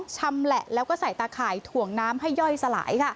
ชำแหละแล้วก็ใส่ตาข่ายถ่วงน้ำให้ย่อยสลาย